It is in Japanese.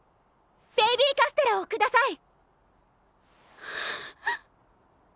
ベイビーカステラをください！